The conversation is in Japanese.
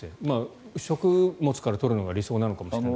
食物から取るのが理想なのかもしれない。